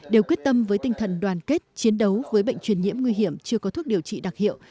đều quyết tâm với tinh thần đoàn kết chiến đấu với bệnh truyền nhiễm nguy hiểm chưa có thuốc điều trị đặc hiệu